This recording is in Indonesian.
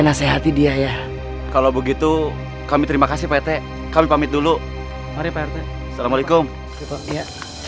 nasihati dia ya kalau begitu kami terima kasih pt kami pamit dulu mari prt assalamualaikum ya